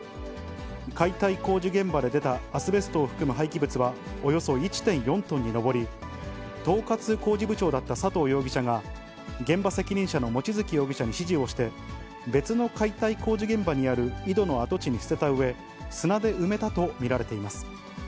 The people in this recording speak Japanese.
解体工事現場で出たアスベストを含む廃棄物は、およそ１．４トンに上り、統括工事部長だった佐藤容疑者が、現場責任者の望月容疑者に指示をして、別の解体工事現場にある井戸の跡地に捨てたうえ、砂で埋めたと見られています。